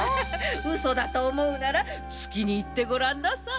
うそだとおもうならつきにいってごらんなさい。